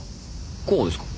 こうですか？